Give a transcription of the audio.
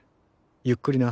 ゆっくりな。